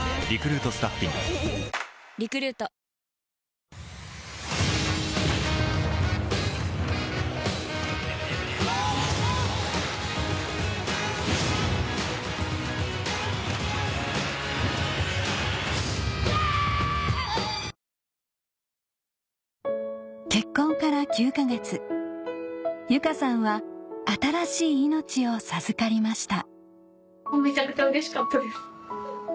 うんそうやね・結婚から９か月由佳さんは新しい命を授かりました